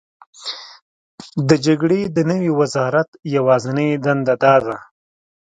د جګړې د نوي وزرات یوازینۍ دنده دا ده: